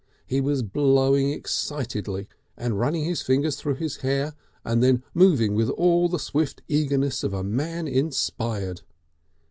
He was blowing excitedly and running his fingers through his hair, and then moving with all the swift eagerness of a man inspired.